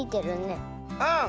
うん！